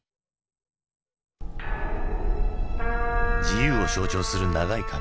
自由を象徴する長い髪。